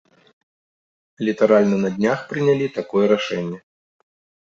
Літаральна на днях прынялі такое рашэнне.